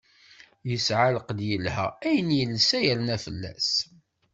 Yesɛa lqedd yelha, ayen yelsa yerna fell-as.